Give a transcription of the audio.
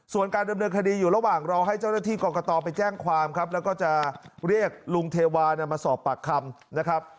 ส่วนการดำเนินคดีอยู่ระหว่างรอให้เจ้าหน้าที่กรกตไปแจ้งความครับแล้วก็จะเรียกลุงเทวามาสอบปากคำนะครับ